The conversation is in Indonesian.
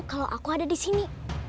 kalau aku ada disini